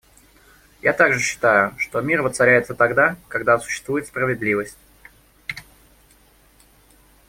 Я также считаю, что мир воцаряется тогда, когда существует справедливость...